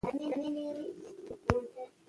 قومونه د افغانستان د سیاسي جغرافیه برخه ده.